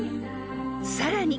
［さらに］